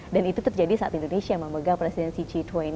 dan itu terjadi saat indonesia memegang presidensi g dua puluh